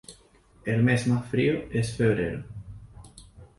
El mes más frío es febrero.